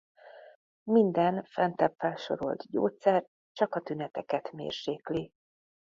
Minden fentebb felsorolt gyógyszer csak a tüneteket mérsékli.